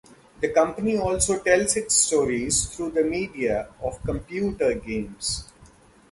The company also tells its stories through the media of computer games.